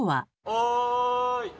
おい。